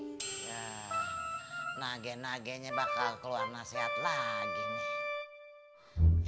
yah nage nagenya bakal keluar nasihat lagi nih